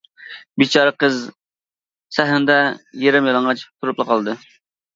بىچارە قىز سەھنىدە يېرىم يالىڭاچ تۇرۇپلا قالدى.